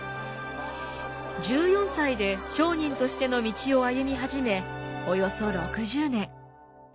１４歳で商人としての道を歩み始めおよそ６０年。